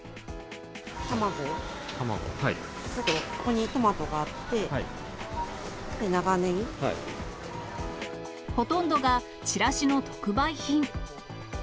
卵、ここにトマトがあって、ほとんどがチラシの特売品。